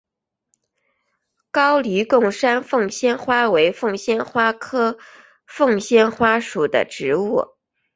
高黎贡山凤仙花为凤仙花科凤仙花属的植物。